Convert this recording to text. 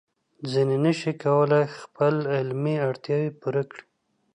ځینې نشي کولای خپل علمي اړتیاوې پوره کړي.